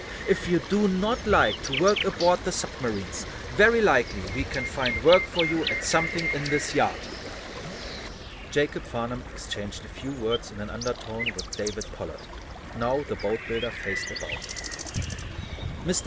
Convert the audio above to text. If you do not like to work aboard the submarines, very likely we can find work for you at something in this yard." Jacob Farnum exchanged a few words in an undertone with David Pollard. Now, the boat builder faced about. "Mr.